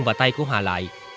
và tay của hòa lại